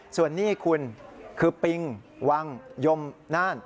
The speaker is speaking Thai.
ส่วนนี้คุณคือปิงวังยมน่าน